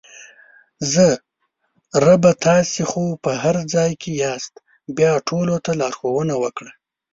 زه: ربه تاسې خو په هر ځای کې یاست بیا ټولو ته لارښوونه وکړه!